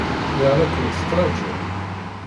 Lliɣ la kent-ttṛajuɣ.